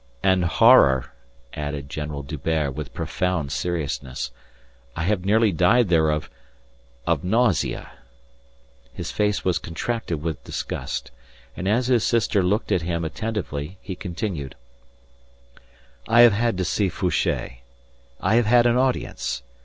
"And horror," added General D'Hubert with profound seriousness. "I have nearly died there of... of nausea." His face was contracted with disgust. And as his sister looked at him attentively he continued: "I have had to see Fouché. I have had an audience.